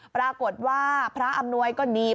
ปรากฏว่าพระอำนวยก็หนีบ